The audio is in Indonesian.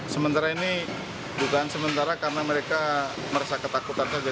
sementara ini dugaan sementara karena mereka merasa ketakutan saja